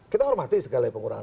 kita hormati sekali pengurangan